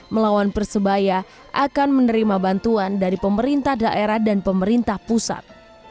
melawan persebaya akan menerima bantuan dari pemerintah daerah dan pemerintah pusat